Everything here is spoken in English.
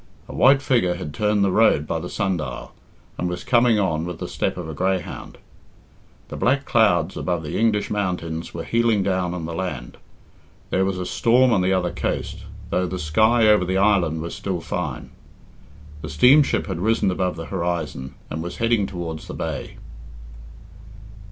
A white figure had turned the road by the sundial, and was coming on with the step of a greyhound. The black clouds above the English mountains were heeling down on the land. There was a storm on the other coast, though the sky over the island was still fine. The steamship had risen above the horizon, and was heading towards the bay.